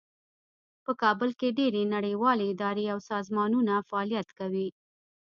په کابل کې ډیرې نړیوالې ادارې او سازمانونه فعالیت کوي